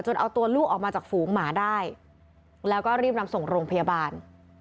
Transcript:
เอาตัวลูกออกมาจากฝูงหมาได้แล้วก็รีบนำส่งโรงพยาบาล